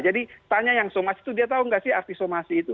jadi tanya yang somasi itu dia tahu enggak sih arti somasi itu